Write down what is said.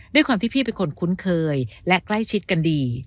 ด้วยความที่พี่เป็นคนคุ้นเคยและใกล้ชิดกันดี